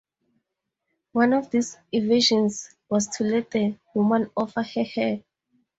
One of these evasions was to let the woman offer her hair.